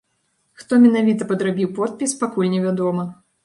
Хто менавіта падрабіў подпіс, пакуль не вядома.